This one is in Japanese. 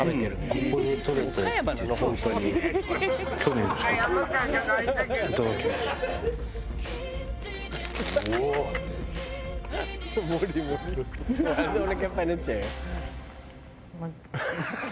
「あれでおなかいっぱいになっちゃうよ」